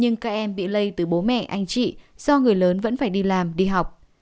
nhưng các em bị lây từ bố mẹ anh chị do người lớn vẫn phải đi làm đi học